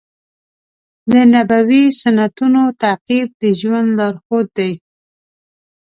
د نبوي سنتونو تعقیب د ژوند لارښود دی.